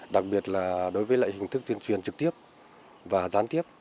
đặc biệt là đối với lại hình thức tuyên truyền trực tiếp và gián tiếp